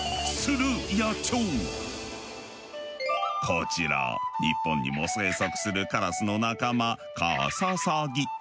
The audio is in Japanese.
こちら日本にも生息するカラスの仲間カササギ。